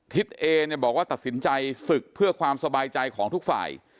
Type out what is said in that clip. เอเนี่ยบอกว่าตัดสินใจศึกเพื่อความสบายใจของทุกฝ่าย